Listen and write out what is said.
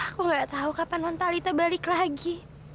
aku gak tahu kapan non talita balik lagi